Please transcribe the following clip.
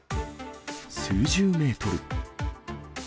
数十メートル。